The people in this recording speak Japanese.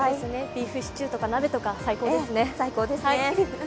ビーフシチューとか鍋とか最高ですね。